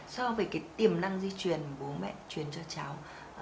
so với cái tiềm năng di truyền bố mẹ truyền cho cháu